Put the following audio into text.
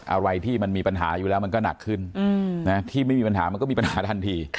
อะไรที่มันมีปัญหาอยู่แล้วมันก็หนักขึ้นที่ไม่มีปัญหามันก็มีปัญหาทันที